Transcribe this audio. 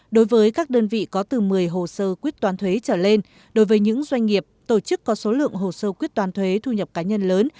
đối với các đơn vị có từ một mươi hồ sơ quyết toán thuế trở lên đối với những doanh nghiệp tổ chức có số lượng hồ sơ quyết toán thuế thu nhập cá nhân lớn